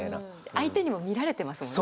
相手にも見られてますもんね。